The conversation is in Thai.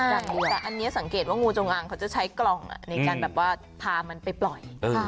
แต่อันนี้สังเกตว่างูจงอางเขาจะใช้กล่องในการแบบว่าพามันไปปล่อย